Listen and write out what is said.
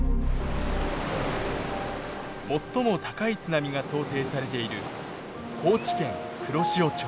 最も高い津波が想定されている高知県黒潮町。